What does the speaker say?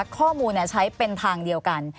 ข้อมูลใช้เป็นทางเดียวกัน